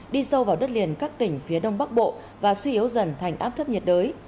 đi sâu vào đất liền các tỉnh phía đông bắc bộ và suy yếu dần thành áp thấp nhiệt đới